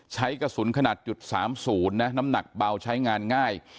ใช้กระสุนขนาด๓๐นะน้ำหนักเบาใช้งานง่าย